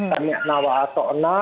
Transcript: kami nawak atau enak